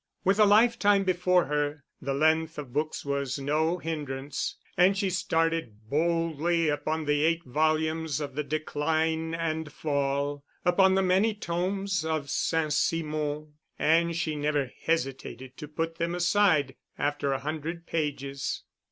With a lifetime before her, the length of books was no hindrance, and she started boldly upon the eight volumes of the Decline and Fall, upon the many tomes of St. Simon: and she never hesitated to put them aside after a hundred pages.